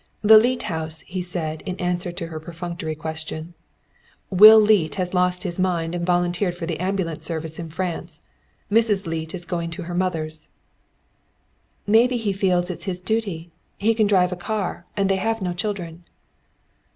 "The Leete house," he said in answer to her perfunctory question. "Will Leete has lost his mind and volunteered for the ambulance service in France. Mrs. Leete is going to her mother's." "Maybe he feels it's his duty. He can drive a car, and they have no children."